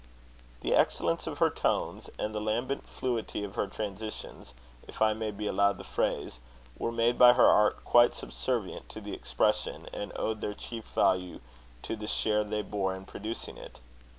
The excellence of her tones, and the lambent fluidity of her transitions, if I may be allowed the phrase, were made by her art quite subservient to the expression, and owed their chief value to the share they bore in producing it.